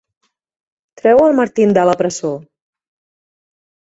Treu el Martin de la presó!